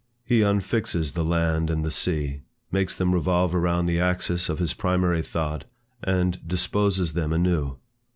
He unfixes the land and the sea, makes them revolve around the axis of his primary thought, and disposes them anew.